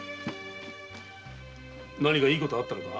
何かいいことがあったのか？